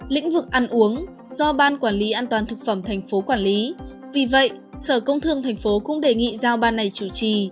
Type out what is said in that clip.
lĩnh vực ăn uống do ban quản lý an toàn thực phẩm thành phố quản lý vì vậy sở công thương tp cũng đề nghị giao ban này chủ trì